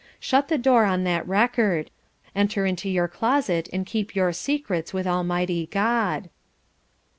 Shut the door on that record. Enter into your closet and keep your secrets with Almighty God.'"